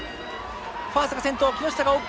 ファースが先頭木下が追う。